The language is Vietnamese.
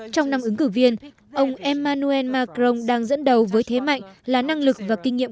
trong năm ứng cử viên ông emmanuel macron đang dẫn đầu với thế mạnh là năng lực và kinh nghiệm